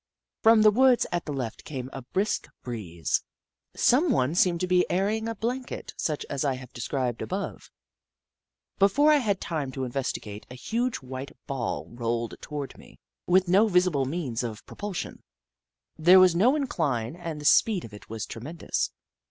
From the woods at the left came a brisk breeze. Someone seemed to be airing a blanket such as I have described above. Be fore I had time to investigate, a huge white ball rolled toward me, with no visible means of propulsion. There was no incline and the speed of it was tremendous.